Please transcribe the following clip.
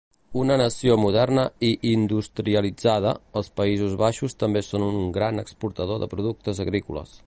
Una nació moderna i industrialitzada, els Països Baixos també són un gran exportador de productes agrícoles.